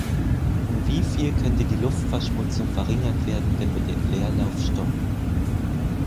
Um wieviel könnte die Luftverschmutzung verringert werden, wenn wir den Leerlauf stoppen.